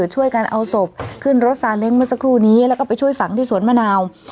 ช่วยกันเอาศพขึ้นรถซาเล้งเมื่อสักครู่นี้แล้วก็ไปช่วยฝังที่สวนมะนาว